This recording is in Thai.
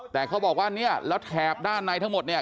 แต่เขาบอกว่าเนี่ยแล้วแถบด้านในทั้งหมดเนี่ย